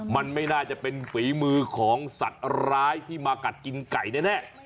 มันไม่น่าจะเป็นฝีมือของสัตว์ร้ายที่มากัดกินไก่แน่